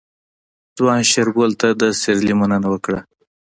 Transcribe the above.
ځوان شېرګل ته د سيرلي مننه وکړه.